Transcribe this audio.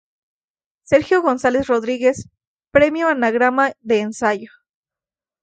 Sergio González Rodríguez, Premio Anagrama de Ensayo.